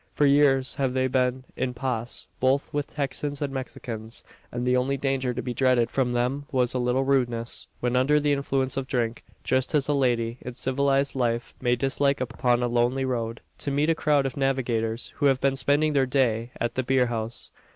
For years have they been en paz both with Texans and Mexicans; and the only danger to be dreaded from them was a little rudeness when under the influence of drink just as a lady, in civilised life, may dislike upon a lonely road, to meet a crowd of "navigators," who have been spending their day at the beer house.